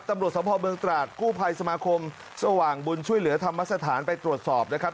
ตำรวจสมภาพเมืองตราดกู้ภัยสมาคมสว่างบุญช่วยเหลือธรรมสถานไปตรวจสอบนะครับ